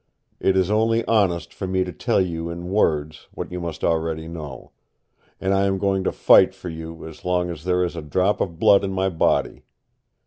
It is only honest for me to tell you in words what you must already know. And I am going to fight for you as long as there is a drop of blood in my body.